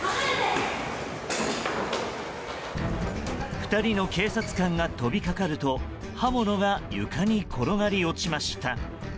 ２人の警察官が飛びかかると刃物が床に転がり落ちました。